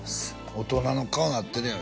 大人の顔なってるやん